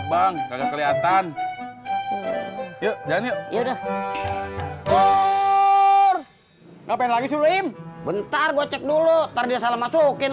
bang kelihatan yuk dan yuk udah ngapain lagi surim bentar gue cek dulu tadi salah masukin